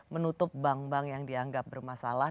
menutup bank bank yang dianggap bermasalah